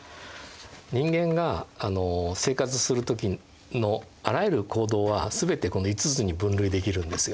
人間が生活する時のあらゆる行動は全てこの５つに分類できるんですよ